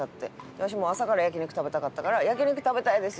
わしもう朝から焼肉食べたかったから「焼肉食べたいです」